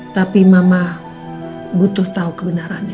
tapi mama butuh tahu kebenarannya